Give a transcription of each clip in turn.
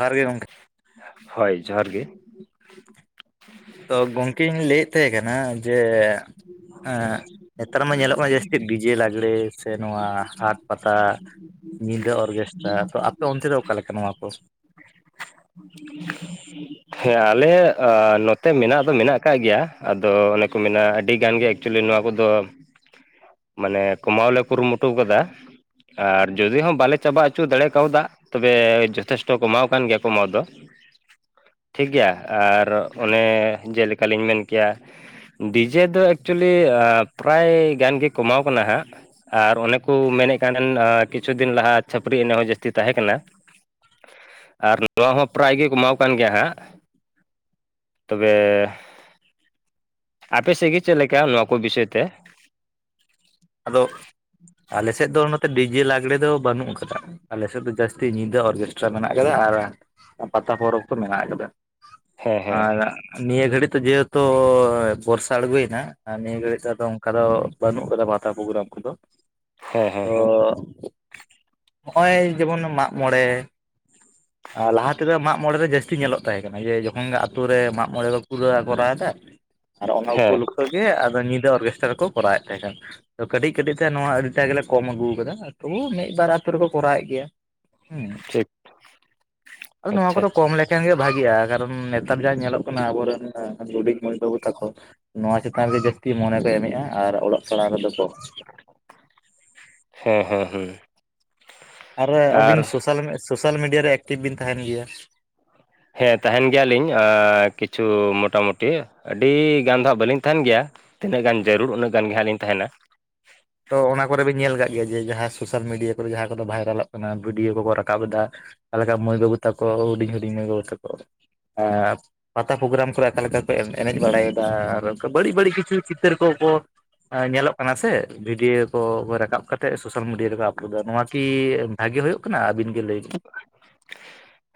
ᱡᱚᱦᱟᱨ ᱜᱮ ᱜᱚᱝᱠᱮ ᱾ ᱦᱚᱭ ᱡᱚᱦᱟᱨ ᱜᱮ ᱾ ᱛᱚ ᱜᱚᱝᱠᱮᱧ ᱞᱟᱹᱭᱮᱫ ᱛᱟᱦᱮᱸ ᱠᱟᱱᱟ ᱡᱮ ᱮᱸᱻ ᱱᱮᱛᱟᱨ ᱢᱟ ᱧᱮᱞᱚᱜ ᱠᱟᱱᱟ ᱡᱟᱹᱥᱛᱤ ᱰᱤᱡᱮ ᱞᱟᱜᱽᱲᱮ ᱥᱮ ᱱᱚᱣᱟ ᱦᱟᱴ ᱯᱟᱛᱟ ᱾ ᱧᱤᱫᱟᱹ ᱚᱨᱜᱮᱥᱴᱟᱨ ᱛᱚ ᱟᱯᱮ ᱚᱱᱛᱮ ᱫᱚ ᱚᱠᱟ ᱞᱮᱠᱟ ᱱᱚᱣᱟ ᱠᱚ? [inaudible] ᱦᱮᱸ ᱟᱞᱮ ᱟᱻ ᱱᱚᱛᱮ ᱢᱮᱱᱟᱜ ᱫᱚ ᱢᱮᱱᱟᱜ ᱟᱠᱟᱫ ᱜᱮᱭᱟ ᱟᱫᱚ ᱚᱱᱮ ᱠᱚ ᱢᱮᱱᱟ ᱟᱹᱰᱤ ᱜᱟᱱ ᱜᱮ ᱮᱠᱪᱩᱞᱤ ᱱᱚᱣᱟ ᱠᱚᱫᱚ [inaudible] ᱢᱟᱱᱮ ᱠᱚᱢᱟᱣ ᱞᱮ ᱠᱩᱨᱩ ᱢᱩᱴᱩᱣ ᱠᱟᱫᱟ ᱾ ᱟᱨ ᱡᱩᱫᱤ ᱦᱚᱸ ᱵᱟᱞᱮ ᱪᱟᱵᱟ ᱩᱪᱩ ᱫᱟᱲᱮ ᱠᱟᱣᱫᱟᱜ ᱛᱚᱵᱮ ᱡᱚᱛᱷᱮᱥᱴᱚ ᱠᱚᱢᱟᱣ ᱠᱟᱱ ᱜᱮᱭᱟ ᱠᱚᱢᱟᱣ ᱫᱚ ᱾ ᱴᱷᱤᱠ ᱜᱮᱭᱟ ᱟᱨ ᱚᱱᱮ ᱡᱮ ᱞᱮᱠᱟᱞᱤᱧ ᱢᱮᱱ ᱠᱮᱭᱟ ᱰᱤᱡᱮ ᱫᱚ ᱮᱠᱪᱩᱞᱤ ᱟᱹᱯᱨᱟᱭ ᱜᱟᱱ ᱜᱮ ᱠᱚᱢᱟᱣ ᱠᱟᱱᱟ ᱦᱟᱸᱜ ᱾ ᱟᱨ ᱚᱱᱮ ᱠᱩ ᱢᱮᱱᱮᱜ ᱠᱟᱱ ᱛᱟᱦᱮᱱ ᱟᱸ ᱠᱤᱪᱷᱩ ᱫᱤᱱ ᱞᱟᱦᱟ ᱪᱷᱟᱹᱯᱟᱨᱤ ᱮᱱᱮᱡ ᱦᱚᱸ ᱡᱟᱹᱥᱛᱤ ᱛᱟᱦᱮᱸ ᱠᱟᱱᱟ᱾ ᱟᱨ ᱱᱚᱣᱟ ᱦᱚᱸ, ᱯᱨᱟᱭ ᱜᱮ ᱠᱚᱢᱟᱣ ᱠᱟᱱ ᱜᱮᱭᱟ ᱦᱟᱸᱜ, ᱛᱚᱵᱮ? ᱟᱯᱮ ᱥᱮᱜ ᱜᱮ ᱪᱮᱫ ᱞᱮᱠᱟ ᱱᱚᱣᱟ ᱠᱚ ᱵᱤᱥᱚᱭ ᱛᱮ? ᱟᱫᱚ ᱟᱞᱮ ᱥᱮᱫ ᱫᱚ ᱱᱚᱛᱮ ᱰᱤᱡᱮ ᱞᱟᱜᱽᱲᱮ ᱫᱚ ᱵᱟᱹᱱᱩᱜ ᱠᱟᱫᱟ᱾ ᱟᱞᱮ ᱥᱮᱫ ᱫᱚ ᱡᱟᱹᱥᱛᱤ ᱧᱤᱫᱟᱹ ᱚᱨᱜᱮᱥᱴᱨᱟ ᱢᱮᱱᱟᱜ ᱠᱟᱫᱟ, ᱟᱨ ᱯᱟᱛᱟ ᱯᱚᱨᱚᱵᱽ ᱠᱚ ᱢᱮᱱᱟᱜ ᱠᱟᱫᱟ᱾ ᱦᱮᱸ ᱦᱮᱸ ᱟᱨ ᱱᱤᱭᱟᱹ ᱜᱷᱟᱹᱲᱤᱡ ᱛᱚ ᱡᱮᱦᱮᱛᱩ, ᱵᱚᱨᱥᱟ ᱟᱬᱜᱚᱭᱮᱱᱟ ᱾ ᱟᱨ ᱱᱤᱭᱟᱹ ᱜᱷᱟᱹᱲᱤᱡ ᱫᱚ ᱟᱫᱚ ᱚᱝᱠᱟ ᱫᱚ ᱵᱟᱹᱱᱩᱜ ᱠᱟᱫᱟ ᱵᱷᱟ, ᱛᱟ ᱯᱨᱚᱜᱨᱟᱢ ᱠᱚᱫᱚ ᱦᱮᱸ ᱦᱮᱸ ᱦᱮᱸ ᱛᱚ, ᱦᱚᱸᱜᱼᱚᱭ ᱡᱮᱢᱚᱱ ᱢᱟᱜᱢᱚᱬᱮ, ᱟ ᱞᱟᱦᱟ ᱛᱮᱫᱚ ᱢᱟᱜ, ᱢᱚᱬᱮ ᱨᱮ ᱡᱟᱹᱥᱛᱤ ᱧᱮᱞᱚᱜ ᱛᱟᱦᱮᱸ ᱠᱟᱱᱟ ᱡᱮ ᱡᱚᱠᱷᱚᱱ ᱜᱮ ᱟᱹᱛᱩ ᱨᱮ ᱢᱟᱜ ᱢᱚᱬᱮ ᱠᱚ ᱠᱩᱨᱟᱹᱣᱟ ᱠᱚᱨᱟᱣᱫᱟ᱾ ᱟᱨ ᱚᱱᱟ ᱦᱮᱸ ᱩᱯᱚᱞᱚᱠᱠᱷᱚ ᱜᱮ ᱟᱫᱚ ᱧᱤᱫᱟᱹ ᱚᱨᱜᱮᱥᱴᱟᱨ ᱠᱚ ᱠᱚᱨᱟᱣ ᱮᱫ ᱛᱟᱦᱮᱸ ᱠᱟᱱᱟ ᱾ ᱛᱚ ᱠᱟᱹᱴᱤᱡ ᱠᱟᱹᱴᱤᱡ ᱛᱮ ᱱᱚᱣᱟ ᱟᱹᱰᱤᱴᱟᱜ ᱜᱮᱞᱮ ᱠᱚᱢ ᱟᱹᱜᱩ ᱠᱟᱫᱟ ᱛᱚᱵᱩ ᱢᱤᱫ ᱵᱟᱨ ᱟᱹᱛᱩ ᱨᱮᱠᱚ ᱠᱚᱨᱟᱣᱮᱫ ᱜᱮᱭᱟ᱾ ᱦᱩᱸ, [inaudible] ᱟᱫᱚ ᱱᱚᱣᱟ ᱟᱪᱪᱷᱟ ᱠᱚᱫᱚ ᱟᱪᱪᱷᱟ ᱠᱚᱢ ᱞᱮ, ᱮᱱᱠᱷᱟᱱ ᱜᱮ ᱵᱷᱟᱜᱤᱜᱼᱟ ᱠᱟᱨᱚᱱ ᱱᱮᱛᱟᱨ ᱡᱟᱦᱟᱸ ᱧᱮᱞᱚᱜ ᱠᱟᱱᱟ ᱟᱵᱚᱨᱮᱱ ᱦᱩᱰᱤᱡ ᱢᱟᱹᱭ ᱵᱟᱹᱵᱩ ᱛᱟᱠᱚ᱾ ᱱᱚᱣᱟ ᱪᱮᱛᱟᱱ ᱨᱮᱜᱮ ᱡᱟᱹᱥᱛᱤ ᱢᱚᱱᱮ ᱠᱚ ᱮᱢᱮᱜᱼᱟ ᱟᱨ ᱚᱞᱚᱜ ᱯᱟᱲᱦᱟᱜ ᱨᱮᱫᱚ ᱠᱚᱢ᱾ ᱦᱮᱸ ᱦᱮᱸ ᱦᱩᱸ, ᱟᱨ ᱟᱹᱵᱤᱱ ᱥᱳᱥᱟᱞ ᱢᱤ, ᱥᱳᱥᱟᱞ ᱢᱤᱰᱤᱭᱟ ᱨᱮ ᱮᱠᱴᱤᱵᱷ ᱵᱤᱱ ᱛᱟᱦᱮᱱ ᱜᱮᱭᱟ᱾ ᱦᱮᱸ ᱛᱟᱦᱮᱱ ᱜᱮᱭᱟᱞᱤᱧ ᱟᱹ, ᱠᱤᱪᱷᱩ ᱢᱚᱴᱟᱢᱩᱴᱤ ᱟᱹᱰᱤ ᱜᱟᱱ ᱫᱚ ᱦᱟᱸᱜ ᱵᱟᱹᱞᱤᱧ ᱛᱟᱦᱮᱱ ᱜᱮᱭᱟ᱾ ᱛᱤᱱᱟᱹᱜ ᱜᱟᱱ ᱡᱟᱹᱨᱩᱲ, ᱩᱱᱟᱹᱜ ᱜᱟᱱ ᱜᱮ ᱦᱟᱸᱜ ᱞᱤᱧ ᱛᱟᱦᱮᱱᱟ᱾ ᱛᱚ ᱚᱱᱟ ᱠᱚᱨᱮ ᱵᱤᱱ ᱧᱮᱞ ᱠᱟᱜ ᱜᱮᱭᱟ ᱡᱮ ᱡᱟᱦᱟᱸ ᱥᱳᱥᱟᱞ ᱢᱤᱰᱤᱭᱟ ᱠᱚᱨᱮ ᱡᱟᱦᱟᱸ ᱠᱚᱫᱚ ᱵᱷᱟᱭᱨᱟᱞᱚᱜ ᱠᱟᱱᱟ ᱵᱷᱤᱰᱤᱭᱳ ᱠᱚᱠᱚ ᱨᱟᱠᱟᱵ ᱮᱫᱟ᱾ ᱛᱟᱦᱚᱞᱮ ᱠᱷᱟᱜ ᱢᱟᱹᱭ ᱵᱟᱹᱵᱩ ᱛᱟᱠᱚ, ᱦᱩᱰᱤᱧ ᱦᱩᱰᱤᱧ ᱢᱟᱹᱭ ᱵᱟᱹᱵᱩ ᱛᱟᱠᱚ ᱟ ᱯᱟᱛᱟ ᱯᱳᱜᱜᱨᱟᱢ ᱠᱚᱨᱮ ᱟᱠᱟ ᱞᱮᱠᱟ ᱠᱚ ᱮᱱᱮᱡ ᱵᱟᱲᱟᱭᱮᱫᱟ ᱟᱨ ᱵᱟᱹᱲᱤᱡ ᱵᱟᱹᱲᱤᱡ ᱠᱤᱪᱷᱩ ᱪᱤᱛᱟᱹᱨ ᱠᱚ ᱠᱚ ᱧᱮᱞᱚᱜ ᱠᱟᱱᱟ ᱥᱮ᱾ ᱵᱷᱤᱰᱤᱭᱳ ᱠᱚ ᱨᱟᱠᱟᱵ ᱠᱟᱛᱮᱜ ᱥᱳᱥᱟᱞ ᱢᱤᱰᱤᱭᱟ ᱨᱮᱠᱚ ᱟᱯᱞᱳᱰ ᱫᱟ᱾ ᱱᱚᱶᱟ ᱠᱤ ᱵᱷᱟᱹᱜᱮ ᱦᱳᱭᱳᱜ ᱠᱟᱱᱟ? ᱟᱵᱤᱱᱜᱮ ᱞᱟᱹᱭ ᱵᱤᱱ [unintelligible] [inaudible]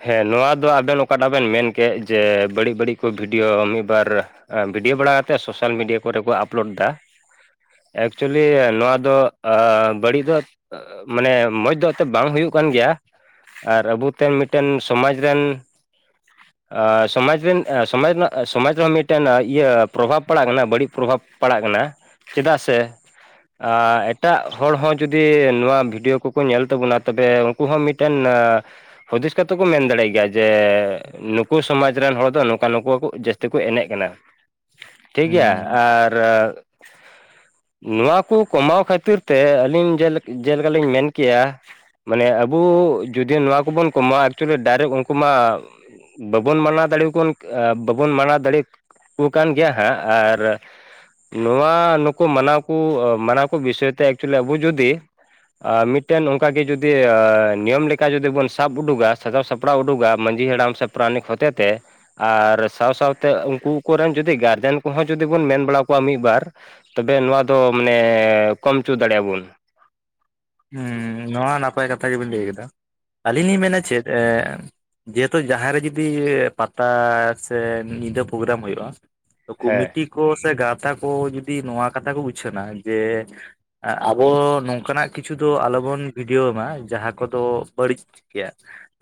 ᱦᱮᱸ ᱱᱚᱣᱟ ᱫᱚ ᱟᱵᱮᱱ ᱚᱠᱟᱴᱟᱜ ᱵᱮᱱ ᱢᱮᱱ ᱠᱮᱜ ᱡᱮ ᱵᱟᱹᱲᱤᱡ ᱵᱟᱹᱲᱤᱡ ᱠᱚ ᱵᱷᱤᱰᱤᱭᱳ ᱢᱤᱜ ᱵᱟᱨ, ᱵᱷᱤᱰᱤᱭᱳ ᱵᱟᱲᱟ ᱠᱟᱛᱮᱜ ᱥᱳᱥᱟᱞ ᱢᱤᱰᱤᱭᱟ ᱠᱚᱨᱮ ᱠᱚ ᱟᱯᱞᱳᱰ ᱫᱟ᱾ ᱮᱠᱪᱩᱭᱮᱞᱤ ᱱᱚᱣᱟ ᱫᱚ ᱟ, ᱵᱟᱹᱲᱤᱡ ᱫᱚ ᱢᱟᱱᱮ ᱢᱚᱸᱡᱽ ᱫᱚ ᱮᱛᱮ ᱵᱟᱝ ᱦᱩᱭᱩᱜ ᱠᱟᱱ ᱜᱮᱭᱟ᱾ ᱟᱨ ᱟᱵᱩᱛᱮ ᱢᱤᱜᱴᱟᱹᱝ ᱥᱚᱢᱟᱡᱽ ᱨᱮᱱ [unintelligible] [inaudible] ᱥᱚᱢᱟᱡᱽ ᱨᱮᱱ ᱥᱚᱢᱟᱡᱽ ᱨᱮᱱᱟᱜ ᱥᱚᱢᱟᱡᱽ ᱨᱮᱦᱚᱸ, ᱢᱤᱜᱴᱮᱱ ᱤᱭᱟᱹ ᱯᱨᱚᱵᱷᱟᱵᱽ ᱯᱟᱲᱟᱜ ᱠᱟᱱᱟ ᱵᱟᱹᱲᱤᱡ ᱯᱨᱚᱵᱷᱟᱵᱽ ᱯᱟᱲᱟᱜ ᱠᱟᱱᱟ᱾ ᱪᱮᱫᱟᱜ ᱥᱮ? ᱟ, ᱮᱴᱟᱜ ᱦᱚᱲ ᱦᱚᱸ ᱡᱩᱫᱤ ᱱᱚᱣᱟ ᱵᱷᱤᱰᱤᱭᱳ ᱠᱚᱠᱚ ᱧᱮᱞ ᱛᱟᱵᱚᱱᱟ ᱛᱚᱵᱮ ᱩᱱᱠᱩ ᱦᱚᱸ ᱢᱤᱫ ᱢᱤᱜᱴᱮᱱ ᱟ, ᱦᱩᱫᱤᱥ ᱠᱟᱛᱮ ᱠᱚ ᱢᱮᱱ ᱫᱟᱲᱮᱭᱟᱜ ᱜᱮᱭᱟ ᱡᱮ ᱱᱩᱠᱩ ᱥᱚᱢᱟᱡᱽ ᱨᱮᱱ ᱦᱚᱲ ᱫᱚ ᱱᱚᱝᱠᱟ ᱱᱩᱠᱩ ᱦᱚᱠᱩ ᱡᱟᱹᱥᱛᱤ ᱠᱚ ᱮᱱᱮᱡ ᱠᱟᱱᱟ᱾ ᱴᱷᱤᱠ ᱜᱮᱭᱟ? ᱦᱩᱸ ᱟᱨ [unintelligible] [inaudible] ᱱᱚᱣᱟ ᱠᱚ ᱠᱚᱢᱟᱣ ᱠᱷᱟᱹᱛᱤᱨ ᱛᱮ, ᱟᱹᱞᱤᱧ ᱡᱮᱞᱮᱠ ᱡᱮᱞᱮᱠᱟᱞᱤᱧ ᱢᱮᱱ ᱠᱮᱭᱟ᱾ ᱢᱟᱱᱮ, ᱟᱵᱩ ᱡᱚᱫᱤ ᱱᱚᱣᱟ ᱠᱚᱵᱚᱱ ᱠᱚᱢᱟᱣᱟ ᱮᱠᱪᱩᱭᱮᱞᱤ ᱰᱟᱭᱨᱮᱠ ᱩᱱᱠᱩ ᱢᱟ ᱵᱟᱵᱚᱱ ᱢᱟᱱᱟ ᱫᱟᱲᱮᱣᱟᱠᱩᱱ ᱵᱟᱵᱚᱱ ᱢᱟᱱᱟ ᱫᱟᱲᱮᱭᱟ ᱠᱩ ᱠᱟᱱ ᱜᱮᱭᱟ ᱦᱟᱸᱜ ᱟᱨ, ᱱᱚᱣᱟ ᱱᱩᱠᱩ ᱢᱟᱱᱟᱣ ᱠᱚ ᱢᱟᱱᱟᱣ ᱠᱚ ᱵᱤᱥᱚᱭ ᱛᱮ ᱮᱠᱪᱩᱭᱮᱞᱤ ᱟᱵᱚ ᱡᱩᱫᱤ ᱢᱤᱜᱴᱮᱱ ᱚᱝᱠᱟ ᱜᱮ ᱡᱩᱫᱤ ᱟ, ᱱᱤᱭᱚᱢ ᱞᱮ ᱠᱟ ᱡᱩᱫᱤ ᱵᱚᱱ ᱥᱟᱵ ᱩᱰᱩᱜᱟ᱾ ᱥᱟᱡᱟᱣ ᱥᱟᱯᱲᱟᱣ ᱩᱰᱩᱜᱟ ᱢᱟᱹᱡᱷᱤ ᱦᱟᱬᱟᱢ ᱥᱮ ᱯᱨᱟᱱᱤᱠ ᱦᱚᱛᱮ ᱛᱮ ᱟᱨ ᱥᱟᱸᱶ ᱥᱟᱸᱶᱛᱮ ᱩᱱᱠᱩ ᱠᱚᱨᱮᱱ ᱡᱩᱫᱤ ᱜᱟᱨᱡᱮᱱ ᱠᱚᱦᱚᱸ ᱡᱩᱫᱤ ᱵᱚᱱ ᱢᱮᱱ ᱵᱟᱲᱟ ᱠᱚᱣᱟ ᱢᱤᱫᱵᱟᱨ ᱛᱚᱵᱮ ᱱᱚᱣᱟ ᱫᱚ ᱢᱟᱱᱮ ᱠᱚᱢ ᱪᱩ ᱫᱟᱲᱮᱭᱟᱜ ᱟᱵᱩᱱ᱾ ᱦᱩᱸ, ᱱᱚᱣᱟ ᱱᱟᱯᱟᱭ ᱠᱟᱛᱷᱟ ᱜᱮᱵᱤᱱ ᱞᱟᱹᱭ ᱠᱮᱫᱟ ᱟᱹᱞᱤᱧ ᱞᱤᱧ ᱢᱮᱱᱟ ᱪᱮᱫ? ᱮ, ᱡᱮᱦᱮᱛᱩ ᱡᱟᱦᱟᱸ ᱨᱮ ᱡᱩᱫᱤ ᱯᱟᱛᱟ ᱥᱮ ᱧᱤᱫᱟᱹ ᱯᱳᱜᱜᱨᱟᱢ ᱦᱳᱭᱳᱜᱼᱟ᱾ ᱦᱮᱸ ᱠᱚᱢᱤᱴᱤ ᱠᱚ ᱥᱮ ᱜᱟᱶᱛᱟ ᱠᱚ ᱡᱩᱫᱤ ᱱᱚᱣᱟ ᱠᱟᱛᱷᱟ ᱠᱚ ᱩᱪᱷᱟᱹᱱᱟ ᱡᱮ ᱟᱵᱚ ᱱᱚᱝᱠᱟ ᱱᱟᱜ ᱠᱤᱪᱷᱩ ᱫᱚ ᱟᱞᱚ ᱵᱚᱱ ᱵᱷᱤᱰᱤᱭᱳ ᱢᱟ ᱡᱟᱦᱟᱸ ᱠᱚᱫᱚ ᱵᱟᱹᱲᱤᱡ ᱜᱮᱭᱟ᱾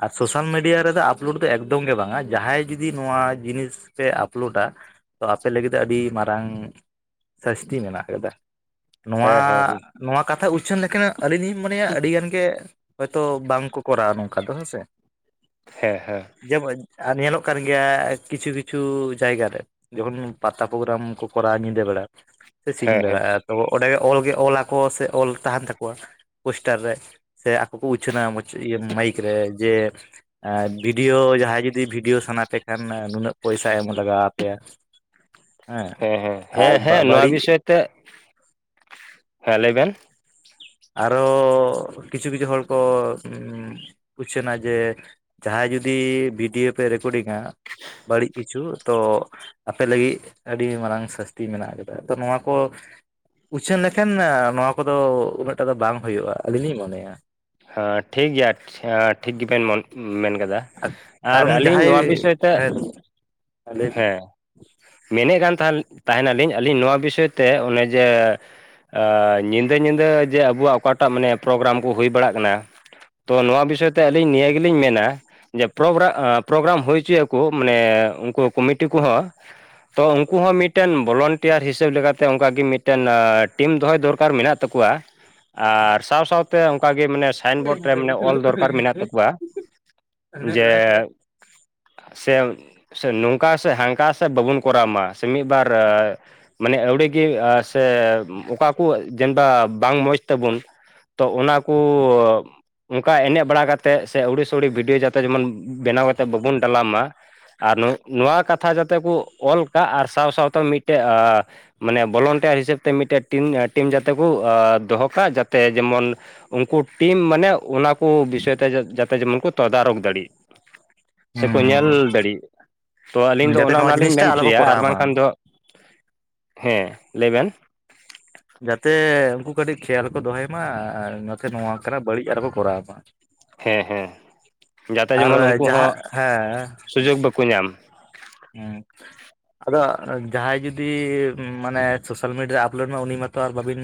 ᱟᱨ ᱥᱳᱥᱟᱞ ᱢᱤᱰᱤᱭᱟ ᱨᱮᱫᱚ ᱟᱯᱞᱳᱰ ᱫᱚ ᱮᱠᱫᱚᱢ ᱜᱮ ᱵᱟᱝᱼᱟ ᱡᱟᱦᱟᱸᱭ ᱡᱩᱫᱤ ᱱᱚᱣᱟ ᱡᱤᱱᱤᱥ ᱯᱮ ᱟᱯᱞᱳᱰᱟ ᱛᱚ ᱟᱯᱮ ᱞᱟᱹᱜᱤᱫ ᱟᱹᱰᱤ ᱢᱟᱨᱟᱝ ᱥᱟᱥᱛᱤ ᱢᱮᱱᱟᱜ ᱠᱟᱫᱟ᱾ ᱱᱚᱣᱟ ᱦᱮᱸ ᱦᱮᱸ ᱱᱚᱣᱟ ᱠᱟᱛᱷᱟ ᱩᱪᱷᱟᱹᱱ ᱞᱮ ᱠᱷᱟᱱ ᱟᱹᱞᱤᱧ ᱞᱤᱧ ᱢᱚᱱᱮᱭᱟ ᱟᱹᱰᱤ ᱜᱟᱱ ᱜᱮ ᱦᱚᱭᱛᱚ ᱵᱟᱝ ᱠᱚ ᱠᱚᱨᱟᱣᱟ ᱱᱚᱝᱠᱟ ᱫᱚ ᱦᱮᱸ ᱥᱮ᱾ ᱦᱮᱸ ᱦᱮᱸ ᱡᱮᱢᱚᱱ ᱧᱮᱞᱚᱜ ᱠᱟᱱ ᱜᱮᱭᱟ ᱠᱤᱪᱷᱩ ᱠᱤᱪᱷᱩ ᱡᱟᱭᱜᱟ ᱨᱮ᱾ ᱡᱚᱠᱷᱚᱱ ᱯᱟᱛᱟ ᱯᱳᱜᱨᱟᱢ ᱠᱚ ᱠᱚᱨᱟᱣᱟ ᱧᱤᱫᱟᱹ ᱵᱮᱲᱟ ᱥᱮ ᱥᱤᱧ ᱦᱮᱸ ᱦᱮᱸ ᱵᱮᱲᱟ ᱦᱮᱸ ᱛᱚ ᱚᱸᱰᱮ ᱜᱮ ᱚᱞ ᱜᱮ ᱚᱞᱟ ᱠᱚ ᱥᱮ ᱚᱞ ᱛᱟᱦᱮᱸᱱ ᱛᱟ [unintelligible] ᱯᱳᱥᱴᱟᱨ ᱨᱮ ᱥᱮ ᱟᱠᱚ ᱠᱚ ᱩᱪᱷᱟᱹᱱᱟ ᱢᱟᱭᱤᱠ ᱨᱮ ᱡᱮ ᱵᱷᱤᱰᱤᱭᱳ ᱡᱟᱦᱟᱸᱭ ᱡᱩᱫᱤ ᱵᱷᱤᱰᱤᱭᱳ ᱥᱟᱱᱟ ᱯᱮ ᱠᱷᱟᱱ ᱱᱩᱱᱟᱹᱜ ᱯᱚᱭᱥᱟ ᱮᱢ ᱞᱟᱜᱟᱣ ᱟ ᱯᱮᱭᱟ᱾ ᱦᱮᱸ ᱟᱨ ᱵᱟ ᱵᱟᱹᱲᱤᱡ ᱛᱮᱜ ᱦᱮᱸ ᱞᱟᱹᱭ ᱵᱮᱱ᱾ ᱟᱨᱚ ᱠᱤᱪᱷᱩ ᱠᱤᱪᱷᱩ ᱦᱚᱲ ᱠᱚ ᱩᱪᱷᱟᱹᱱᱟ ᱡᱮ ᱡᱟᱦᱟᱸᱭ ᱡᱩᱫᱤ ᱵᱷᱤᱰᱤᱭᱳ ᱯᱮ ᱨᱮᱠᱳᱰᱤᱝᱼᱟ ᱵᱟᱹᱲᱤᱡ ᱠᱤᱪᱷᱩ ᱛᱚ ᱟᱯᱮ ᱞᱟᱹᱜᱤᱜ ᱟᱹᱰᱤ ᱢᱟᱨᱟᱝ ᱥᱟᱹᱥᱛᱤ ᱢᱮᱱᱟᱜ ᱠᱟᱫᱟ ᱛᱚ ᱱᱚᱣᱟ ᱠᱚ᱾ ᱩᱪᱷᱟᱹᱱ ᱞᱮᱠᱷᱟᱱ ᱱᱚᱣᱟ ᱠᱚ ᱫᱚ ᱩᱱᱟᱹᱜ ᱴᱟᱜ ᱫᱚ ᱵᱟᱝ ᱦᱩᱭᱩᱜᱼᱟ ᱟᱹᱞᱤᱧ ᱞᱤᱧ ᱢᱚᱱᱮᱭᱟ᱾ ᱦᱮᱸ ᱴᱷᱤᱠ ᱜᱮᱭᱟ ᱴᱷᱤᱠ ᱜᱤ ᱵᱮᱱ ᱢᱮᱱ ᱠᱟᱫᱟ᱾ ᱟᱨ ᱠᱟᱨᱚᱱ ᱟᱹᱞᱤᱧ ᱡᱟᱦᱟᱸᱭ ᱱᱚᱣᱟ ᱵᱤᱥᱚᱭ ᱛᱮ ᱦᱮᱸ ᱞᱟᱹᱭ ᱦᱮᱸ ᱢᱮᱱᱮᱫ ᱠᱟᱱ ᱛᱟᱦᱮᱱᱟ ᱞᱤᱧ ᱟᱹᱞᱤᱧ ᱱᱚᱣᱟ ᱵᱤᱥᱚᱭ ᱛᱮ ᱚᱱᱮ ᱡᱮᱼᱼ ᱧᱤᱫᱟᱹ ᱧᱤᱫᱟᱹ ᱡᱮ ᱟᱵᱚᱣᱟᱜ ᱚᱠᱟᱴᱟᱜ ᱢᱟᱱᱮ ᱯᱨᱳᱜᱨᱟᱢ ᱠᱚ ᱦᱩᱭ ᱵᱟᱲᱟᱜ ᱠᱟᱱᱟᱼᱼ ᱛᱚ ᱱᱚᱣᱟ ᱵᱤᱥᱚᱭ ᱛᱮ ᱟᱹᱞᱤᱧ ᱱᱤᱭᱟᱹ ᱜᱮᱞᱤᱧ ᱢᱮᱱᱟᱼᱼ ᱡᱮ ᱯᱨᱳᱜᱨᱟ ᱯᱨᱳᱜᱨᱟᱢ ᱦᱩᱭ ᱦᱚᱪᱚᱭ ᱟᱠᱚ ᱢᱟᱱᱮ ᱩᱱᱠᱩ ᱠᱚᱢᱤᱴᱤ ᱠᱚᱦᱚᱸᱼᱼ ᱛᱚ ᱩᱱᱠᱩ ᱦᱚᱸ ᱢᱤᱫᱴᱮᱱ ᱵᱚᱞᱚᱱᱴᱤᱭᱟᱨ ᱦᱤᱥᱟᱹᱵᱽ ᱞᱮᱠᱟᱛᱮ ᱚᱱᱠᱟᱜ ᱜᱮ ᱢᱤᱫᱴᱮᱱ ᱴᱤᱢ ᱫᱚᱦᱚᱭ ᱫᱚᱨᱠᱟᱨ ᱢᱮᱱᱟᱜᱼᱼ ᱛᱟᱠᱚᱣᱟ ᱟᱨ ᱥᱟᱶ ᱥᱟᱶ ᱛᱮ ᱚᱱᱠᱟᱼᱼ ᱢᱟᱱᱮ ᱥᱟᱭᱤᱱ ᱵᱳᱨᱰ ᱨᱮ ᱢᱟᱱᱮ ᱚᱞ ᱫᱚᱨᱠᱟᱨ ᱵᱤᱱ ᱢᱮᱱᱟᱜ ᱛᱟᱠᱚᱣᱟ ᱡᱮᱼᱼ [inaudible] ᱥᱮ ᱱᱚᱝᱠᱟ ᱥᱮ ᱦᱟᱱᱠᱟ ᱥᱮ ᱵᱟᱵᱚᱱ ᱠᱚᱨᱟᱣ ᱢᱟ ᱥᱮ ᱢᱤᱫ ᱵᱟᱨᱼᱼ ᱢᱟᱱᱮ ᱟᱹᱣᱲᱤ ᱜᱮ ᱥᱮ ᱚᱠᱟ ᱠᱚ ᱡᱮᱱᱵᱟ ᱵᱟᱝ ᱢᱚᱸᱡᱽ ᱛᱟᱵᱚᱱᱼᱼ ᱛᱚ ᱚᱱᱟ ᱠᱚ ᱚᱱᱠᱟ ᱮᱱᱮᱡ ᱵᱟᱲᱟ ᱠᱟᱛᱮ ᱥᱮ ᱟᱹᱣᱲᱤ ᱥᱟᱣᱲᱤ ᱵᱷᱤᱰᱤᱭᱳ ᱡᱟᱛᱮ ᱡᱮᱢᱚᱱᱼᱼ ᱵᱮᱱᱟᱣ ᱟᱛᱮ ᱵᱟᱵᱩᱱ ᱰᱟᱞᱟᱣ ᱢᱟ ᱟᱨ ᱱᱚᱣᱟ ᱠᱟᱛᱷᱟ ᱡᱟᱛᱮ ᱵᱚ ᱚᱞ ᱠᱟᱜ ᱟᱨ ᱥᱟᱶ ᱥᱟᱶ ᱛᱮ ᱢᱤᱫᱴᱮᱡ ᱮ ᱢᱟᱱᱮ ᱵᱚᱞᱚᱱᱴᱤᱭᱟᱨ ᱦᱤᱥᱟᱹᱵ ᱛᱮ ᱢᱤᱫᱴᱮᱱ ᱴᱤᱢ ᱴᱤᱢ ᱡᱟᱛᱮ ᱵᱚ ᱫᱚᱦᱚ ᱠᱟᱜ ᱡᱟᱛᱮ ᱡᱮᱢᱚᱱᱼᱼ ᱩᱱᱠᱩ ᱴᱤᱢ ᱢᱟᱱᱮ ᱚᱱᱟ ᱠᱚ ᱵᱤᱥᱚᱭ ᱛᱮ ᱡᱟᱛᱮ ᱡᱮᱢᱚᱱ ᱠᱚ ᱛᱫᱟᱨᱚᱠ ᱫᱟᱲᱮᱜ ᱥᱮ ᱠᱚ ᱧᱮᱞ ᱦᱩᱸ ᱫᱟᱲᱮᱜ ᱛᱚ ᱟᱹᱞᱤᱧ ᱫᱚ ᱡᱟᱛᱮ ᱚᱱᱟ ᱱᱚᱣᱟ ᱚᱱᱟ ᱞᱤᱧ ᱡᱤᱱᱤᱥᱴᱟ ᱢᱮᱱ ᱟᱞᱚ ᱠᱚ ᱦᱚᱪᱚᱭᱟ ᱟᱨ ᱠᱚᱨᱟᱣ ᱵᱟᱝ ᱢᱟ ᱠᱷᱟᱱ ᱫᱚᱼᱼ ᱦᱮᱸ ᱞᱟᱹᱭ ᱵᱮᱱ ᱡᱟᱛᱮ ᱩᱱᱠᱩ ᱠᱟᱹᱴᱤᱡ ᱠᱷᱮᱭᱟᱞ ᱠᱚ ᱫᱚᱦᱚᱭ ᱢᱟ ᱟᱨ ᱡᱟᱛᱮ ᱱᱚᱣᱟ ᱠᱟᱱᱟ ᱵᱟᱹᱲᱤᱡ ᱟᱨᱚ ᱠᱚ ᱠᱚᱨᱟᱣ ᱢᱟ᱾ ᱦᱮᱸ ᱦᱮᱸ ᱡᱟᱛᱮ ᱟᱨ ᱡᱮᱢᱚᱱ ᱡᱟᱦᱟᱸ ᱦᱮᱸᱼᱼ ᱠᱩ ᱧᱟᱢ ᱦᱮᱸ ᱟᱫᱚ ᱡᱟᱦᱟᱸᱭ ᱡᱩᱫᱤ ᱢᱟᱱᱮ ᱥᱳᱥᱟᱞ ᱢᱤᱰᱤᱭᱟ ᱨᱮ ᱟᱯᱞᱳᱰ ᱢᱟ ᱩᱱᱤ ᱢᱟᱛᱚ ᱟᱨ ᱵᱟᱹᱵᱤᱱᱼᱼ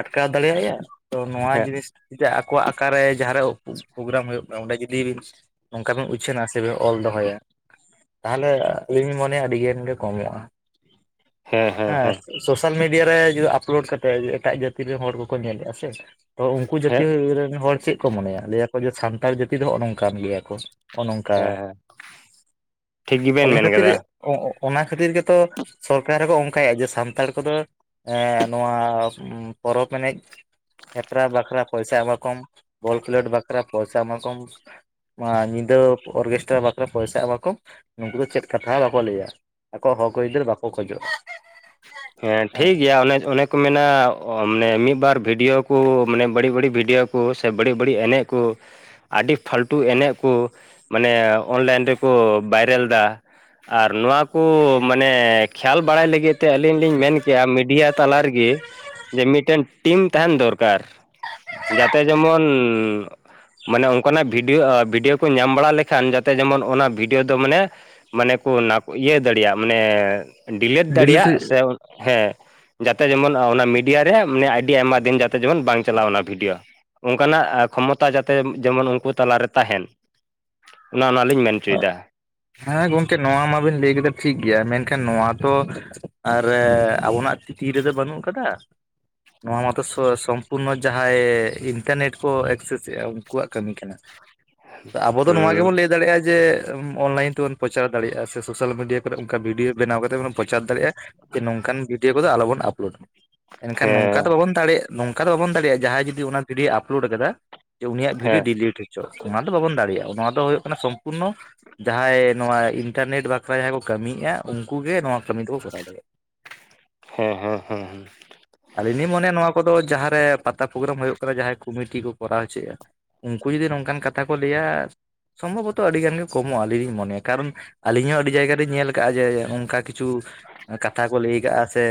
ᱟᱴᱠᱟᱣ ᱫᱟᱲᱮᱭᱟᱭᱟ ᱛᱚ ᱱᱚᱣᱟ ᱦᱮᱸ ᱡᱤᱱᱤᱥ ᱼᱼ ᱟᱠᱚᱣᱟᱜ ᱟᱠᱟ ᱨᱮ ᱡᱟᱦᱟᱸ ᱨᱮ ᱯᱨᱳᱜᱨᱟᱢ ᱦᱩᱭᱩᱜ ᱠᱟᱱᱟ ᱚᱸᱰᱮ ᱡᱩᱫᱤᱼᱼ ᱱᱚᱝᱠᱟ ᱵᱮᱱ ᱩᱪᱷᱟᱹᱱᱟ ᱥᱮ ᱵᱮᱱ ᱚᱞ ᱫᱚᱦᱚᱭᱟ ᱛᱟᱦᱚᱞᱮ ᱟᱹᱞᱤᱧ ᱞᱤᱧ ᱢᱚᱱᱮᱭᱟ ᱟᱹᱰᱤ ᱜᱟᱱ ᱜᱮ ᱠᱚᱢᱚᱜᱼᱟ ᱦᱮᱸ ᱦᱮᱸ ᱦᱮᱸᱼᱼ ᱦᱮᱸ ᱥᱳᱥᱟᱞ ᱢᱤᱰᱤᱭᱟ ᱨᱮ ᱡᱩᱫᱤ ᱟᱯᱞᱳᱰ ᱠᱟᱛᱮᱫ ᱮᱴᱟᱜ ᱡᱟᱹᱛᱤ ᱨᱮᱱ ᱦᱚᱲ ᱠᱚ ᱠᱚ ᱧᱮᱞᱮᱜᱼᱟ ᱥᱮᱼᱼ ᱛᱚ ᱩᱱᱠᱩ ᱡᱟᱹᱛᱤ ᱦᱮᱸ ᱨᱮᱱ ᱦᱚᱲ ᱪᱮᱫ ᱠᱚ ᱢᱚᱱᱮᱭᱟ ᱞᱟᱹᱭ ᱟᱠᱚ ᱡᱮ ᱥᱟᱱᱛᱟᱲ ᱡᱟᱹᱛᱤ ᱫᱚ ᱱᱚᱜᱼᱚᱭ ᱱᱚᱝᱠᱟᱱ ᱜᱮᱭᱟ ᱠᱚ᱾ ᱚᱱ ᱚᱱᱠᱟ ᱦᱮᱸ ᱴᱷᱤᱠ ᱜᱮᱵᱮᱱ ᱚᱱᱟ ᱢᱮᱱ ᱠᱷᱟᱹᱛᱤᱨ ᱠᱟᱫᱟ ᱚᱱᱟ ᱠᱷᱟᱹᱛᱤᱨ ᱜᱮᱛᱚ ᱥᱚᱨᱠᱟᱨ ᱦᱚᱸᱠᱚ ᱚᱱᱠᱟᱭᱟ ᱡᱮ ᱥᱟᱱᱛᱟᱲ ᱠᱚᱫᱚᱼᱼ ᱦᱮᱸ ᱱᱚᱣᱟ ᱯᱚᱨᱚᱵᱽ ᱮᱱᱮᱡᱼᱼ ᱦᱮᱯᱨᱟᱣ ᱵᱟᱠᱷᱨᱟ ᱯᱚᱭᱥᱟ ᱮᱢᱟ ᱠᱚᱢ, ᱵᱚᱞ ᱠᱷᱮᱞᱳᱰ ᱵᱟᱠᱷᱨᱟ ᱯᱚᱭᱥᱟ ᱮᱢᱟ ᱠᱚᱢ ᱢᱟ ᱧᱤᱫᱟᱹ ᱚᱨᱜᱮᱥᱴᱟᱨ ᱵᱟᱠᱷᱨᱟ ᱯᱚᱭᱥᱟ ᱮᱢᱟ ᱠᱚᱢ ᱱᱩᱠᱩ ᱫᱚ ᱪᱮᱫ ᱠᱟᱛᱷᱟ ᱦᱚ ᱵᱟᱠᱚ ᱞᱟᱹᱭᱟ ᱟᱠᱚᱣᱟᱜ ᱦᱚᱠ ᱟᱹᱭᱫᱟᱹᱨ ᱵᱟᱠᱚ ᱠᱷᱚᱡᱚᱜᱼᱟ᱾ ᱦᱮᱸ ᱴᱷᱤᱠ ᱜᱮᱭᱟ ᱚᱱᱮ ᱚᱱᱮᱠᱼᱼ ᱠᱚ ᱢᱮᱱᱟ ᱢᱟᱱᱮ ᱢᱤᱫ ᱵᱟᱨ ᱵᱷᱤᱰᱤᱭᱳ ᱠᱩ ᱢᱟᱱᱮ ᱵᱟᱹᱲᱤᱡ ᱵᱟᱹᱲᱤᱡ ᱵᱷᱤᱰᱤᱭᱳ ᱠᱩ ᱥᱮ ᱵᱟᱹᱲᱤᱡ ᱵᱟᱹᱲᱤᱡ ᱮᱱᱮᱡ ᱠᱩ ᱟᱹᱰᱤ ᱯᱟᱹᱞᱴᱩ ᱮᱱᱮᱡ ᱠᱚ ᱢᱟᱱᱮ ᱚᱱᱞᱟᱭᱤᱱ ᱨᱮᱠᱚ ᱵᱟᱭᱨᱟᱞ ᱮᱫᱟ᱾ ᱟᱨ ᱱᱚᱣᱟ ᱠᱚ ᱢᱟᱱᱮ ᱠᱷᱮᱭᱟᱞ ᱵᱟᱲᱟᱭ ᱞᱟᱹᱜᱤᱫ ᱛᱮ ᱟᱹᱞᱤᱧᱼᱼ ᱟᱹᱞᱤᱧ ᱞᱤᱧ ᱢᱮᱱ ᱠᱮᱜᱼᱟ ᱢᱤᱰᱤᱭᱟ ᱛᱟᱞᱟ ᱨᱮᱜᱮ ᱡᱮ ᱢᱤᱫᱴᱮᱱ ᱴᱤᱢ ᱛᱟᱦᱮᱱ ᱫᱚᱨᱠᱟᱨ ᱡᱟᱛᱮ ᱡᱮᱢᱚᱱᱼᱼ ᱢᱟᱱᱮ ᱚᱱᱠᱟᱱᱟᱜ ᱵᱷᱤᱰᱤᱭᱳ ᱵᱷᱤᱰᱤᱭᱳ ᱠᱚ ᱧᱟᱢ ᱵᱟᱲᱟ ᱞᱮᱠᱷᱟᱱ ᱡᱟᱛᱮ ᱡᱮᱢᱚᱱ ᱚᱱᱟ ᱵᱷᱤᱰᱤᱭᱳ ᱫᱚ ᱢᱟᱱᱮᱼᱼ ᱢᱟᱱᱮ ᱠᱚ ᱤᱭᱟᱹ ᱫᱟᱲᱮᱭᱟᱜ ᱢᱟᱱᱮ ᱰᱤᱞᱮᱴ ᱰᱤᱞᱤᱴ ᱫᱟᱲᱮᱭᱟᱜ ᱥᱮ ᱦᱮᱸᱼᱼ ᱡᱟᱛᱮ ᱡᱮᱢᱚᱱ ᱚᱱᱟ ᱢᱤᱰᱤᱭᱟ ᱨᱮ ᱢᱟᱱᱮ ᱟᱹᱰᱤ ᱟᱭᱢᱟ ᱫᱤᱱ ᱡᱟᱛᱮ ᱡᱮᱢᱚᱱ ᱵᱟᱝ ᱪᱟᱞᱟᱜᱼᱟ ᱚᱱᱟ ᱵᱷᱤᱰᱤᱭᱳ ᱚᱱᱠᱟᱱᱟᱜ ᱠᱷᱚᱢᱚᱛᱟ ᱡᱟᱛᱮ ᱡᱮᱢᱚᱱ ᱩᱱᱠᱩ ᱛᱟᱞᱟᱨᱮ ᱛᱟᱦᱮᱱ ᱚᱱᱟ ᱚᱱᱟ ᱞᱤᱧ ᱢᱮᱱ ᱦᱚᱪᱚ ᱮᱫᱟ᱾ ᱦᱮᱸ ᱜᱚᱝᱠᱮ ᱱᱚᱣᱟ ᱢᱟᱵᱤᱱ ᱞᱟᱹᱭ ᱠᱮᱫᱟ ᱴᱷᱤᱠ ᱜᱮᱭᱟ ᱢᱮᱱᱠᱷᱟᱱ ᱱᱚᱣᱟ ᱛᱚ ᱟᱨ ᱟᱵᱚᱱᱟᱜᱼᱼ ᱛᱤ ᱨᱮᱫᱚ ᱵᱟᱹᱱᱩᱜ ᱠᱟᱫᱟ᱾ ᱱᱚᱣᱟ ᱢᱟᱛᱚ ᱥᱚᱢᱯᱩᱨᱱᱚ ᱡᱟᱦᱟᱸᱭ ᱤᱱᱴᱟᱨᱱᱮᱴ ᱠᱚ ᱮᱠᱥᱮᱥ ᱮᱫᱟ ᱩᱱᱠᱩᱣᱟᱜ ᱠᱟᱹᱢᱤ ᱠᱟᱱᱟ᱾ ᱟᱵᱚ ᱫᱚ ᱱᱚᱣᱟ ᱦᱮᱸ ᱜᱮᱵᱚᱱ ᱞᱟᱹᱭ ᱫᱟᱲᱮᱭᱟᱜᱼᱟ ᱡᱮ ᱚᱱᱞᱟᱭᱤᱱ ᱵᱚᱱ ᱯᱨᱚᱪᱟᱨ ᱫᱟᱲᱮᱭᱟᱜᱼᱟ ᱥᱮ ᱥᱳᱥᱟᱞ ᱢᱤᱰᱤᱭᱟ ᱠᱚᱨᱮ ᱚᱱᱠᱟ ᱵᱷᱤᱰᱭᱳ ᱵᱮᱱᱟᱣ ᱠᱟᱛᱮ ᱵᱚᱱ ᱯᱨᱚᱪᱟᱨ ᱫᱟᱲᱮᱭᱟᱜᱼᱟ ᱾ᱡᱮ ᱱᱚᱝ ᱠᱟᱱ ᱵᱤᱰ ᱫᱚ ᱟᱞᱚᱵᱚᱱ ᱟᱯᱞᱳᱰ᱾ ᱮᱱᱠᱷᱟᱱ ᱱᱚᱝᱠᱟ ᱦᱮᱸ ᱵᱟᱵᱚᱱ ᱫᱟᱲᱮᱭᱟᱜ ᱱᱚᱝᱠᱟ ᱫᱚ ᱵᱟᱵᱚᱱ ᱫᱟᱲᱮᱭᱟᱜ ᱡᱟᱦᱟᱸᱭ ᱡᱩᱫᱤ ᱚᱱᱟ ᱵᱷᱤᱰᱭᱳ ᱟᱯᱞᱳᱰ ᱟᱠᱟᱫᱟ ᱡᱮ ᱩᱱᱤ ᱟᱜ ᱵᱷᱤᱰᱭᱳ ᱦᱮᱸ ᱰᱤᱞᱤᱴ ᱤᱧ᱾ ᱪᱚ ᱚᱱᱟ ᱫᱚ ᱵᱟᱵᱚᱱ ᱫᱟᱲᱮᱭᱟᱜ᱾ ᱚᱱᱟ ᱫᱚ ᱦᱩᱭᱩᱜ ᱠᱟᱱᱟ ᱥᱚᱢᱯᱩᱨᱱᱚ ᱡᱟᱦᱟᱸᱭ ᱱᱚᱣᱟ ᱤᱱᱴᱟᱨ ᱱᱮᱴ ᱵᱟᱠᱷᱨᱟ ᱡᱟᱦᱟᱸ ᱠᱚ ᱠᱟᱹᱢᱤᱭᱮᱫᱼᱟ ᱩᱱᱠᱩ ᱜᱮ ᱱᱚᱣᱟ ᱠᱟᱹᱢᱤ ᱫᱚᱠᱚ ᱠᱚᱨᱟᱣ ᱫᱟᱲᱮᱭᱟᱜᱼᱟ᱾ ᱦᱮᱸ ᱦᱮᱸ ᱦᱮᱸ ᱮ ᱟᱹᱞᱤᱧ ᱞᱤᱧ ᱢᱚᱱᱮᱭᱟ ᱱᱚᱣᱟ ᱠᱚᱫᱚ ᱡᱟᱦᱟᱸ ᱨᱮ ᱯᱟᱛᱟ ᱯᱨᱳᱜᱨᱟᱢ ᱦᱩᱭᱩᱜ ᱠᱟᱱᱟ ᱡᱟᱦᱟᱸᱭ ᱠᱚᱢᱤᱴᱤ ᱠᱚ ᱠᱚᱨᱟᱣ ᱦᱚᱪᱚᱭᱮᱫᱼᱟ᱾ ᱩᱱᱠᱩ ᱡᱩᱫᱤ ᱱᱚᱝᱠᱟᱱ ᱠᱟᱛᱷᱟ ᱠᱚ ᱞᱟᱹᱭᱟ ᱥᱚᱢᱵᱷᱚᱵᱚᱛᱚ ᱟᱹᱰᱤ ᱜᱟᱱ ᱜᱮ ᱠᱚᱢᱚᱜᱼᱟ ᱟᱹᱞᱤᱧ ᱞᱤᱧ ᱢᱚᱱᱮᱭᱟ᱾ ᱠᱟᱨᱚᱱ ᱟᱹᱞᱤᱧ ᱦᱚᱸ ᱟᱹᱰᱤ ᱡᱟᱭᱜᱟ ᱞᱤᱧ ᱧᱮᱞ ᱟᱠᱟᱫᱼᱟ ᱡᱮ ᱚᱱᱠᱟ ᱠᱤᱪᱷᱩ ᱠᱟᱛᱷᱟ ᱠᱚ ᱞᱟᱹᱭ ᱟᱠᱟᱜᱼᱟ ᱥᱮ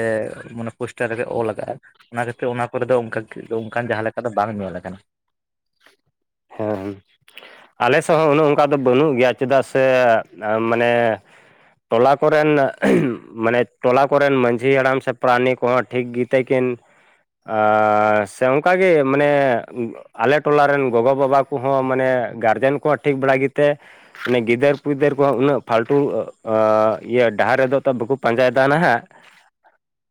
ᱚᱱᱟ ᱯᱳᱥᱴᱟᱨ ᱨᱮᱠᱚ ᱚᱞ ᱟᱠᱟᱜ-ᱟ᱾ ᱚᱱᱟ ᱠᱷᱟᱹᱛᱤᱨ ᱚᱱᱟ ᱠᱚᱨᱮ ᱫᱚ ᱚᱱᱠᱟ ᱚᱱᱠᱟᱱ ᱡᱟᱦᱟᱸ ᱞᱮᱠᱟ ᱫᱚ ᱵᱟᱝ ᱧᱮᱞ ᱟᱠᱟᱱᱟ᱾ ᱦᱮᱸ ᱟᱞᱮ ᱥᱮᱫ ᱦᱚᱸ ᱚᱱᱮ ᱚᱱᱠᱟ ᱫᱚ ᱵᱟᱹᱱᱩᱜ ᱜᱮᱭᱟ ᱪᱮᱫᱟᱜ ᱥᱮ ᱢᱟᱱᱮ ᱴᱚᱞᱟ ᱠᱚᱨᱮᱱ ᱢᱟᱱᱮ ᱴᱚᱞᱟ ᱠᱚᱨᱮᱱ ᱢᱟᱡᱷᱤ ᱦᱟᱲᱟᱢ ᱥᱮ ᱯᱨᱟᱱᱤ ᱠᱚᱦᱚᱸ ᱴᱷᱤᱠ ᱛᱮᱠᱤᱱ ᱟ ᱥᱮ ᱚᱱᱠᱟ ᱜᱮ ᱢᱟᱱᱮ ᱟᱞᱮ ᱴᱚᱞᱟ ᱨᱮᱱ ᱜᱚᱜᱚ ᱵᱟᱵᱟ ᱠᱚᱦᱚᱸ ᱢᱟᱱᱮ ᱜᱟᱨᱡᱮᱱ ᱠᱚᱦᱚᱸ ᱴᱷᱤᱠ ᱵᱟᱲᱟ ᱜᱮᱛᱮ ᱮ ᱜᱤᱫᱟᱹᱨ ᱯᱤᱫᱟᱹᱨ ᱠᱚᱦᱚᱸ ᱩᱱᱟᱹᱜ ᱯᱷᱟᱞᱴᱩ ᱤᱭᱟᱹ ᱰᱟᱦᱟᱨ ᱨᱮᱫᱚ ᱛᱚ ᱵᱟᱠᱚ ᱯᱟᱸᱡᱟᱭᱮᱫᱟ ᱱᱟᱦᱟᱸᱜ᱾ [unintelligible]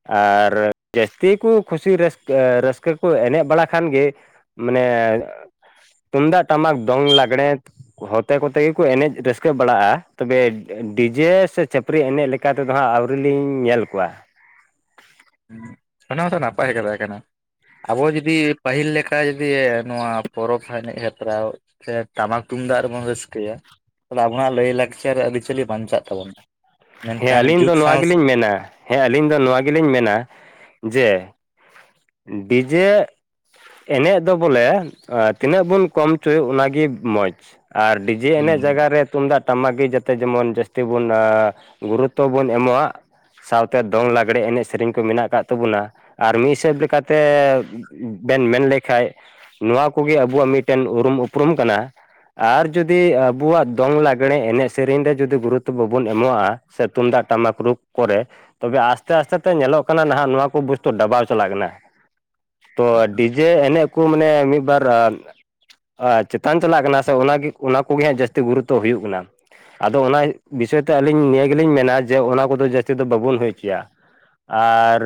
ᱟᱨ ᱡᱟᱹᱥᱛᱤ ᱠᱚ ᱠᱩᱥᱤ ᱨᱟᱹᱥᱠᱟᱹ, ᱨᱟᱹᱥᱠᱟᱹ ᱠᱚ ᱮᱱᱮᱡ ᱵᱟᱲᱟ ᱠᱷᱟᱱ ᱜᱮ ᱢᱟᱱᱮ ᱛᱩᱢᱫᱟᱜ ᱴᱟᱢᱟᱠ ᱫᱚᱝ ᱞᱟᱜᱽᱲᱮ ᱦᱚᱛᱮ ᱠᱚᱛᱮ ᱜᱮᱠᱚ ᱮᱱᱮᱡ ᱨᱟᱹᱥᱠᱟᱹ ᱵᱟᱲᱟᱜᱼᱟ ᱛᱚᱵᱮ ᱰᱤᱡᱮ ᱥᱮ ᱪᱷᱟᱹᱯᱨᱤ ᱮᱱᱮᱡ ᱞᱮᱠᱟ ᱛᱮ ᱫᱚ ᱦᱟᱸᱜ ᱟᱹᱣᱨᱤᱞᱤᱧ ᱧᱮᱞ ᱠᱚᱣᱟ᱾ ᱚᱱᱟ ᱦᱚᱸᱛᱚ ᱱᱟᱯᱟᱭ ᱠᱟᱛᱷᱟ ᱠᱟᱱᱟ᱾ ᱟᱵᱚ ᱡᱩᱫᱤ ᱯᱟᱹᱦᱤᱞ ᱞᱮᱠᱟ ᱡᱩᱫᱤ ᱱᱚᱣᱟ ᱯᱚᱨᱚᱵᱽ ᱮᱱᱮᱡ ᱦᱮᱯᱨᱟᱣ ᱥᱮ ᱴᱟᱢᱟᱠ ᱛᱩᱢᱫᱟᱜ ᱨᱮᱵᱚᱱ ᱨᱟᱹᱥᱠᱟᱹᱭᱟ ᱛᱟᱦᱞᱮ ᱟᱵᱚᱱᱟᱜ ᱞᱟᱹᱭᱼᱞᱟᱠᱪᱟᱨ ᱟᱹᱨᱤᱪᱟᱹᱞᱤ ᱵᱟᱧᱪᱟᱜ ᱛᱟᱵᱚᱱᱟ᱾ ᱦᱮᱸ ᱢᱮᱱᱠᱷᱟᱱ ᱟᱹᱞᱤᱧ ᱡᱩᱜᱽ ᱫᱚ ᱱᱚᱣᱟ ᱥᱟᱶ ᱜᱮᱞᱤᱧ ᱢᱮᱱᱟ᱾ ᱦᱮᱸ ᱟᱹᱞᱤᱧ ᱫᱚ ᱱᱚᱣᱟ ᱜᱮᱞᱤᱧ ᱢᱮᱱᱟ ᱡᱮ ᱰᱤᱡᱮ ᱮᱱᱮᱡ ᱫᱚ ᱵᱚᱞᱮ ᱛᱤᱱᱟᱹᱜ ᱵᱚᱱ ᱠᱚᱢ ᱦᱚᱪᱚᱭ ᱚᱱᱟᱜᱮ ᱢᱚᱸᱡᱽ᱾ ᱟᱨ ᱰᱤ ᱡᱮ ᱮᱱᱮᱡ ᱡᱟᱭᱜᱟᱨ ᱨᱮ ᱛᱩᱢᱫᱟᱜ ᱴᱟᱢᱟᱠᱜᱮ ᱡᱟᱛᱮ ᱡᱮᱢᱚᱱ ᱡᱟᱹᱥᱛᱤ ᱵᱚᱱ ᱟ, ᱜᱩᱨᱩᱛᱚ ᱵᱚᱱ ᱮᱢᱚᱜᱼᱟ᱾ ᱥᱟᱶᱛᱮ ᱫᱚᱝ ᱞᱟᱜᱽᱲᱮ ᱮᱱᱮᱡ ᱥᱮᱨᱮᱧ ᱠᱚ ᱢᱮᱱᱟᱜ ᱠᱟᱫ ᱛᱟᱵᱚᱱᱟ, ᱟᱨ ᱢᱤᱫ ᱦᱤᱥᱟᱹᱵᱽ ᱞᱮᱠᱟᱛᱮ ᱵᱮᱱ ᱢᱮᱱ ᱞᱮᱠᱷᱟᱡ ᱱᱚᱣᱟ ᱠᱚ ᱜᱮ ᱟᱵᱚᱣᱟᱼᱜ ᱢᱤᱫᱴᱮᱱ ᱩᱨᱩᱢ ᱩᱯᱨᱩᱢ ᱠᱟᱱᱟ᱾ ᱟᱨ ᱡᱩᱫᱤ ᱟᱵᱚᱣᱟᱜ ᱫᱚᱝ ᱞᱟᱜᱽᱲᱮ ᱮᱱᱮᱡ ᱥᱮᱨᱮᱧ ᱨᱮ ᱡᱩᱫᱤ ᱜᱩᱨᱩᱛᱚ ᱵᱟᱵᱚᱱ ᱮᱢᱚᱜᱼᱟ᱾ ᱥᱮ ᱛᱩᱢᱫᱟᱜ ᱴᱟᱢᱟᱠ ᱨᱩ ᱠᱚᱨᱮ ᱛᱚᱵᱮ ᱟᱥᱛᱮ ᱟᱥᱛᱮ ᱛᱮ ᱧᱮᱞᱚᱜ ᱠᱟᱱᱟ ᱱᱟᱦᱟᱜ, ᱱᱚᱣᱟ ᱠᱚ ᱵᱚᱥᱛᱩ ᱰᱟᱵᱟᱣ ᱪᱟᱞᱟᱜ ᱠᱟᱱᱟ᱾ ᱛᱚ ᱰᱤᱡᱮ ᱮᱱᱮᱡ ᱠᱚ ᱢᱟᱱᱮ ᱢᱤᱫ ᱵᱟᱨ ᱟ ᱪᱮᱛᱟᱱ ᱪᱟᱞᱟᱜ ᱠᱟᱱᱟ ᱥᱮ ᱚᱱᱟ ᱜᱤ ᱚᱱᱟ ᱠᱚᱜᱮ ᱦᱟᱸᱜ ᱡᱟᱹᱥᱛᱤ ᱜᱩᱨᱩᱛᱚ ᱦᱩᱭᱩᱜ ᱠᱟᱱᱟ᱾ ᱟᱫᱚ ᱚᱱᱟ ᱵᱤᱥᱚᱭ ᱛᱮ ᱟᱹᱞᱤᱧ ᱱᱤᱭᱟᱹ ᱜᱮᱞᱤᱧ ᱢᱮᱱᱟ, ᱡᱮ ᱚᱱᱟ ᱠᱚᱫᱚ ᱡᱟᱹᱥᱛᱤ ᱫᱚ ᱵᱟᱵᱚᱱ ᱦᱩᱭ ᱦᱚᱪᱚᱭᱟ᱾ ᱟᱨ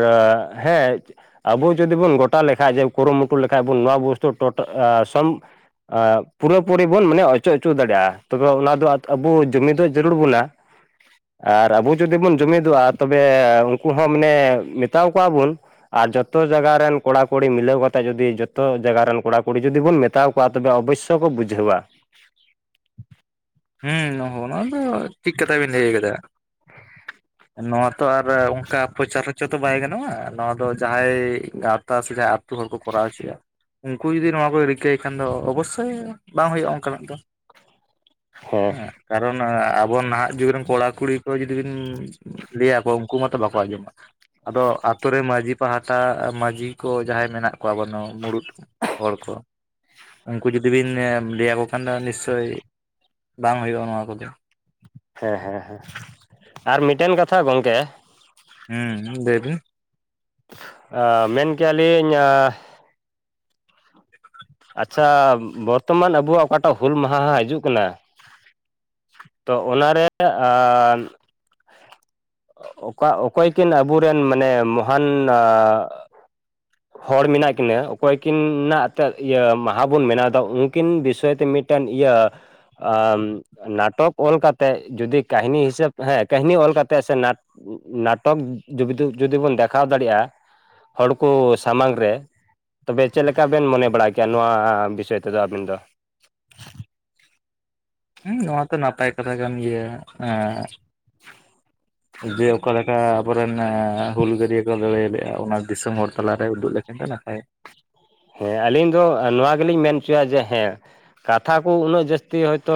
ᱦᱮᱸ ᱟᱵᱚ ᱡᱩᱫᱤ ᱵᱚᱱ ᱜᱳᱚᱴᱟ ᱞᱮᱠᱷᱟᱡ, ᱡᱮ ᱠᱩᱨᱩᱢᱩᱴᱩ ᱞᱮᱠᱟᱡ ᱵᱚᱱ ᱱᱚᱣᱟ ᱵᱩᱛᱩ ᱴᱳᱴᱟ ᱥᱚᱢ ᱟ ᱯᱩᱨᱟᱹ ᱯᱩᱨᱤ ᱵᱚᱱ ᱢᱟᱱᱮ ᱚᱪᱚ ᱚᱪᱚ ᱫᱟᱲᱮᱭᱟᱜᱼᱟ ᱾ ᱛᱚᱵᱮ ᱚᱱᱟ ᱫᱚ ᱟᱵᱚ ᱡᱩᱢᱤᱫ ᱫᱚ ᱡᱟᱹᱨᱩᱲ ᱵᱚᱱᱟ᱾ ᱟᱨ ᱟᱵᱚ ᱡᱩᱫᱤ ᱵᱚᱱ ᱡᱩᱢᱤᱫᱚᱜᱼᱟ᱾ ᱛᱚᱵᱮ ᱩᱱᱠᱩ ᱦᱚᱸ ᱢᱟᱱᱮ ᱢᱮᱛᱟᱣ ᱟᱠᱚᱣᱟ ᱵᱚᱱ᱾ ᱟᱨ ᱡᱚᱛᱚ ᱡᱟᱭᱜᱟ ᱨᱮᱱ ᱠᱚᱲᱟ ᱠᱩᱲᱤ ᱢᱤᱞᱟᱹᱣ ᱠᱟᱛᱮ ᱡᱩᱫᱤ ᱡᱚᱛᱚ ᱡᱟᱭᱜᱟ ᱨᱮᱱ ᱠᱚᱲᱟ ᱠᱩᱲᱤ ᱡᱩᱫᱤ ᱵᱚᱱ ᱢᱮᱛᱟᱣ ᱠᱚᱣᱟ, ᱛᱚᱵᱮ ᱚᱵᱚᱥᱥᱚ ᱠᱚ ᱵᱩᱡᱷᱟᱹᱣᱼᱟ᱾ ᱦᱩᱸ ᱚᱱᱟ ᱫᱚ ᱴᱷᱤᱠ ᱠᱟᱛᱷᱟ ᱵᱤᱱ ᱞᱟᱹᱭ ᱟᱠᱟᱫᱟ᱾ ᱱᱚᱣᱟ ᱛᱚ ᱟᱨ ᱚᱱᱠᱟ ᱯᱨᱚᱪᱟᱨ ᱦᱚᱪᱚ ᱛᱚ ᱵᱟᱭ ᱜᱟᱱᱚᱜᱼᱟ᱾ ᱱᱚᱣᱟ ᱫᱚ ᱡᱟᱦᱟᱸᱭ ᱜᱟᱶᱛᱟ ᱥᱮ ᱡᱟᱦᱟᱸ ᱛ ᱦᱚᱲ ᱠᱚ ᱠᱚᱨᱟᱣ ᱦᱚᱪᱚᱭᱟ ᱾ ᱩᱱᱠᱩ ᱡᱩᱫᱤ ᱱᱚᱣᱟ ᱠᱚ ᱨᱤᱠᱟᱹᱭ ᱠᱷᱟᱱ ᱫᱚ, ᱚᱵᱚᱥᱥᱳᱭ ᱵᱟᱝ ᱦᱩᱭᱩᱜᱼᱟ᱾ ᱚᱱᱠᱟᱱᱟᱜ ᱫᱚ᱾ ᱦᱮᱸ ᱠᱟᱨᱚᱱ ᱟᱵᱚ ᱱᱟᱦᱟᱜ ᱡᱩᱜᱽ ᱨᱮᱱ ᱠᱚᱲᱟ ᱠᱩᱲᱤ ᱠᱚ ᱡᱩᱫᱤ ᱵᱤᱱ ᱞᱟᱹᱭ ᱟᱠᱚᱼᱟ᱾ ᱩᱱᱠᱩ ᱢᱟᱛᱚ ᱵᱟᱠᱚ ᱟᱸᱡᱚᱢ᱾ ᱟᱫᱚ ᱟᱹᱛᱩ ᱨᱮ ᱢᱟᱺᱡᱷᱤ ᱯᱟᱦᱴᱟ ᱢᱟᱺᱡᱷᱤ ᱠᱚ ᱡᱟᱦᱟᱸᱭ ᱢᱮᱱᱟᱜ ᱠᱚᱣᱟ ᱵᱚᱱ ᱢᱩᱲᱩᱫ ᱦᱚᱲ ᱠᱚ ᱩᱱᱠᱩ ᱡᱩᱫᱤ ᱵᱤᱱ ᱞᱟᱹᱭ ᱟᱠᱚ ᱠᱷᱟᱱ ᱫᱚ ᱱᱤᱥᱪᱚᱭ ᱵᱟᱝ ᱦᱩᱭᱩᱜᱼᱟ ᱱᱚᱣᱟ ᱠᱚᱫᱚ᱾ ᱦᱮᱸ- ᱦᱮᱸ- ᱦᱮᱸ ᱟᱨ ᱢᱤᱫᱴᱮᱱ ᱠᱟᱛᱷᱟ ᱜᱚᱝᱠᱮᱼᱼᱼ ᱦᱩᱸ ᱞᱟᱹᱭ ᱵᱤᱱ᱾ ᱟ ᱢᱮᱱ ᱠᱮᱭᱟ ᱞᱤᱧ ᱟᱻ ᱟᱪᱪᱷᱟ ᱵᱚᱨᱛᱚᱢᱟᱱ ᱟᱵᱚᱣᱟᱜ ᱚᱠᱟᱴᱟᱜ ᱦᱩᱞ ᱢᱟᱦᱟ ᱦᱤᱡᱩᱜ ᱠᱟᱱᱟ᱾ ᱛᱚ ᱚᱱᱟᱨᱮ ᱟᱻ ᱚᱠᱟ ᱚᱠᱚᱭ ᱠᱤᱱ ᱟᱵᱚᱨᱮᱱ ᱢᱟᱱᱮ ᱢᱚᱦᱟᱱ ᱟ ᱦᱚᱲ ᱢᱮᱱᱟᱜ ᱠᱤᱱᱟᱹ ᱚᱠᱚᱭ ᱠᱤ ᱮᱱᱛᱮᱫ ᱤᱭᱟᱹ ᱢᱟᱦᱟ ᱵᱚᱱ ᱵᱮᱱᱟᱣᱫᱟ ᱩᱱᱠᱤᱱ ᱵᱤᱥᱚᱭ ᱛᱮ ᱢᱤᱫᱴᱮᱱ ᱤᱭᱟᱹ ᱟ᱾ ᱱᱟᱴᱚᱠ ᱚᱞ ᱠᱟᱛᱮᱫ ᱡᱩᱫᱤ ᱠᱟᱹᱦᱱᱤ ᱦᱤᱥᱟᱹᱵ ᱦᱮᱸ ᱠᱟᱹᱦᱱᱤ ᱚᱞ ᱠᱟᱛᱮᱜ ᱥᱮᱴ ᱱᱟᱴᱚᱠ ᱡᱩ ᱡᱩᱫᱤ ᱵᱚᱱ ᱫᱮᱠᱷᱟᱣ ᱫᱟᱲᱮᱭᱟᱜ-ᱟ᱾ ᱦᱚᱲ ᱠᱚ ᱥᱟᱢᱟᱝ ᱨᱮ ᱛᱚᱵᱮ ᱪᱮᱫ ᱞᱮᱠᱟ ᱵᱮᱱ ᱢᱚᱱᱮ ᱵᱟᱲᱟ ᱠᱮᱭᱟ? ᱠᱮᱭᱟ ᱱᱚᱣᱟ ᱵᱤᱥᱚᱭ ᱛᱮᱫᱚ ᱟᱵᱤᱱ ᱫᱚ᱾ ᱦᱮᱸ ᱱᱚᱣᱟ ᱛᱚ ᱱᱟᱯᱟᱭ ᱠᱟᱛᱷᱟ ᱠᱟᱱ ᱜᱮᱭᱟ᱾ ᱡᱮ ᱚᱠᱟ ᱞᱮᱠᱟ ᱟᱵᱚᱨᱮᱱ ᱮᱻ ᱦᱩᱞᱜᱟᱹᱨᱭᱟᱹ ᱠᱚ ᱫᱟᱲᱮᱭᱟᱞᱼᱟ᱾ ᱚᱱᱟ ᱫᱤᱥᱚᱢ ᱦᱚᱲ ᱛᱟᱞᱟᱨᱮ ᱩᱫᱩᱜ ᱞᱮᱠᱷᱟᱱ ᱫᱚ ᱱᱟᱯᱟᱭ᱾ ᱦᱮᱸ ᱟᱞᱤᱧ ᱫᱚ ᱱᱚᱣᱟ ᱜᱮᱞᱤᱧ ᱢᱮᱱ ᱦᱚᱪᱚᱭᱟ ᱡᱮ ᱦᱮᱸ, ᱠᱟᱛᱷᱟ ᱠᱚ ᱩᱱᱟᱹᱜ ᱡᱟᱹᱥᱛᱤ ᱦᱚᱭᱛᱳ